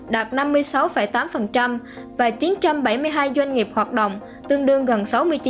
đạt năm mươi sáu tám và chín trăm bảy mươi hai doanh nghiệp hoạt động tương đương gần sáu mươi chín